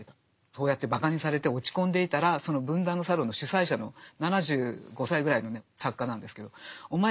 そうやってばかにされて落ち込んでいたらその文壇のサロンの主宰者の７５歳ぐらいのね作家なんですけどお前